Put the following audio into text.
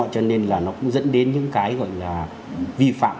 cho nên là nó cũng dẫn đến những cái gọi là vi phạm